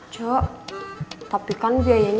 cuk tapi kan biayanya besar kalo mau pasang tv